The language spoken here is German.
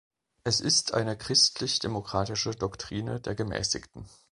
Es ist eine christlich-demokratische Doktrine der Gemäßigten.